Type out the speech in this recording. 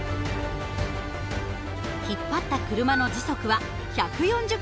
引っ張った車の時速は１４０ｋｍ。